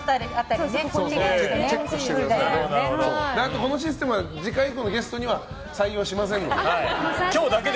このシステムは次回以降のゲストには採用しませんので。